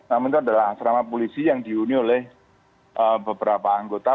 namun itu adalah asrama polisi yang dihuni oleh beberapa anggota